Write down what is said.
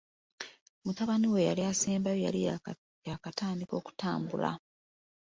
Mutabani we eyali assembayo yali yaakatandika okutambula.